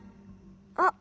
あっ。